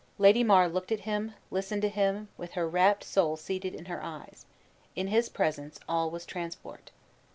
Lady mar looked at him, listened to him, with her rapt soul seated in her eyes. In his presence all was transport.